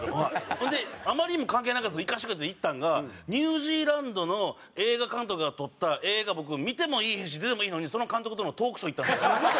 ほんであまりにも関係ないけど行かせてくれって行ったんがニュージーランドの映画監督が撮った映画僕見てもいいひんし出てもいいひんのにその監督とのトークショー行ったんですよ。